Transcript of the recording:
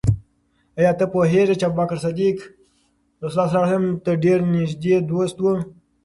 آیا ته پوهېږې چې ابوبکر صدیق د رسول الله ص ډېر نږدې دوست و؟